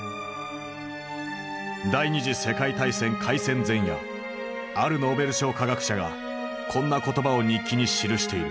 第二次世界大戦開戦前夜あるノーベル賞科学者がこんな言葉を日記に記している。